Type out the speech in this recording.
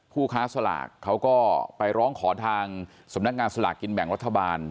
ผู้ค้าสลากเขาก็ไปร้องขอทางสำนักงานสลากกินแบ่งรัฐบาล